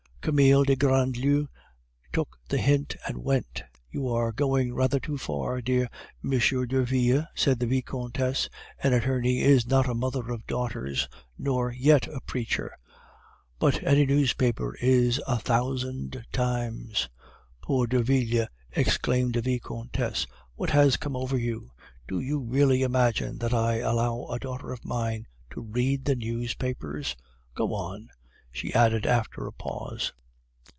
Camille de Grandlieu took the hint and went. "You were going rather too far, dear M. Derville," said the Vicomtesse, "an attorney is not a mother of daughters nor yet a preacher." "But any newspaper is a thousand times " "Poor Derville!" exclaimed the Vicomtesse, "what has come over you? Do you really imagine that I allow a daughter of mine to read the newspapers? Go on," she added after a pause.